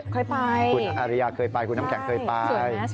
เคยไปคุณอาริยาเคยไปคุณน้ำแข็งเคยไป